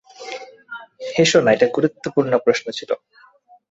হেসো না, এটা গুরুত্বপূর্ণ প্রশ্ন ছিল।